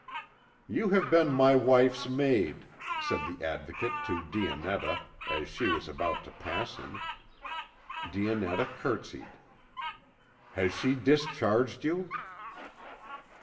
"You have been my wife's maid," said the Advocate to Dionetta, as she was about to pass him. Dionetta curtsied. "Has she discharged you?"